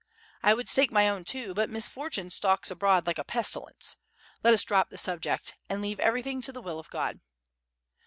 "I would stake my own too, but misfortune stalks abroad like a pestilence. Let us drop the subject, and leave every thing to the will of God."